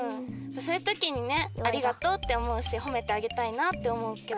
そういうときにね「ありがとう」っておもうしほめてあげたいなっておもうけど。